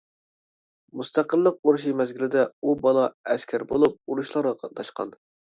مۇستەقىللىق ئۇرۇشى مەزگىلىدە، ئۇ بالا ئەسكەر بولۇپ، ئۇرۇشلارغا قاتناشقان.